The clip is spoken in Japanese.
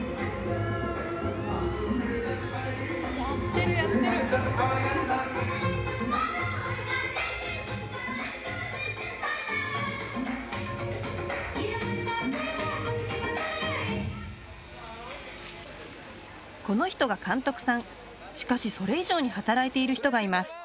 やってるやってるこの人が監督さんしかしそれ以上に働いている人がいます